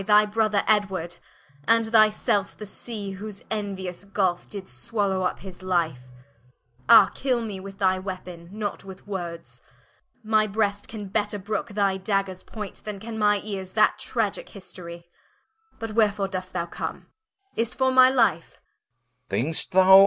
Thy Brother Edward, and thy Selfe, the Sea Whose enuious Gulfe did swallow vp his life: Ah, kill me with thy Weapon, not with words, My brest can better brooke thy Daggers point, Then can my eares that Tragicke History. But wherefore dost thou come? Is't for my Life?